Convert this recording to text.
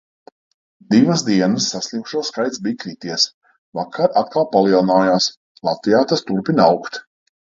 Divas dienas saslimušo skaits bija krities. Vakar atkal palielinājās. Latvijā tas turpina augt.